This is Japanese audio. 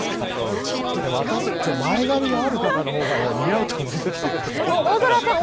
ちょっと前髪がある方の方が似合うと思うんですよね。